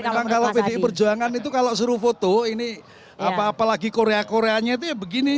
memang kalau pdi perjuangan itu kalau suruh foto ini apalagi korea koreanya itu ya begini